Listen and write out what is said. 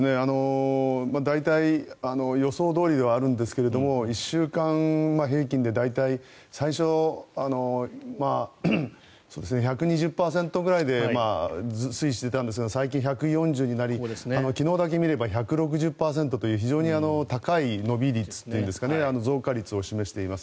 大体予想どおりではあるんですけど１週間平均で大体最初、１２０％ぐらいで推移していたんですが最近、１４０％になり昨日だけ見れば１６０％という非常に高い伸び率というんですが増加率を示しています。